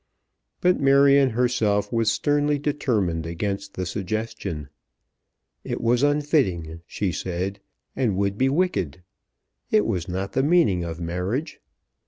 But Marion herself was sternly determined against the suggestion. It was unfitting, she said, and would be wicked. It was not the meaning of marriage.